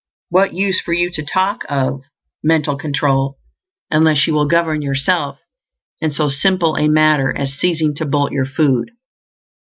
What use for you to talk of mental control unless you will govern yourself in so simple a matter as ceasing to bolt your food?